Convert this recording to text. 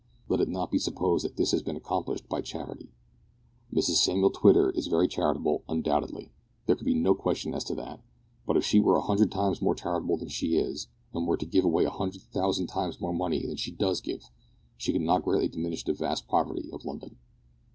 Let it not be supposed that this has been accomplished by charity. Mrs Samuel Twitter is very charitable, undoubtedly. There can be no question as to that; but if she were a hundred times more charitable than she is, and were to give away a hundred thousand times more money than she does give, she could not greatly diminish the vast poverty of London.